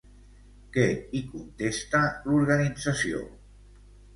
Què hi contesta l'organització?